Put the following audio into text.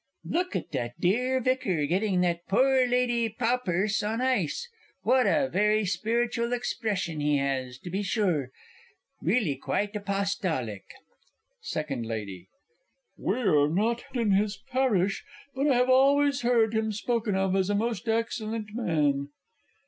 Look at the dear Vicar getting that poor Lady Pawperse an ice. What a very spiritual expression he has, to be sure really quite apostolic! SECOND LADY. We are not in his parish, but I have always heard him spoken of as a most excellent man.